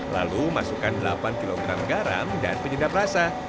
lalu masukkan delapan kg garam dan penyedap rasa